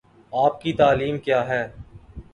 آپ کی تعلیم کیا ہے ؟